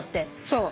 そう。